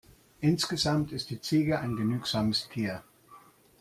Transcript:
Insgesamt ist die Ziege ein genügsames Tier.